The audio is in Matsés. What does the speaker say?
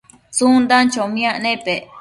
tsundan chomiac nepec